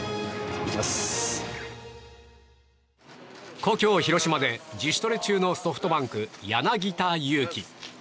故郷・広島で自主トレ中のソフトバンク、柳田悠岐。